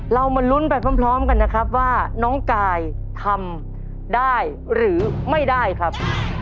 เรามาลุ้นไปพร้อมกันนะครับว่าน้องกายทำได้หรือไม่ได้ครับ